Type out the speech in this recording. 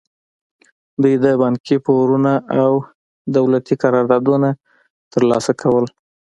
دوی د بانکي پورونه او دولتي قراردادونه ترلاسه کول.